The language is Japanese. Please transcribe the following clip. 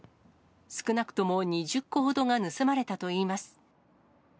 少なくとも２０個ほどが盗まれたといいます。